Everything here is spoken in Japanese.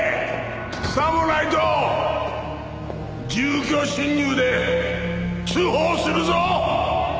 さもないと住居侵入で通報するぞ！